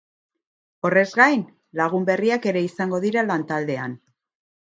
Horrez gainera, lagun berriak ere izango dira lan-taldean.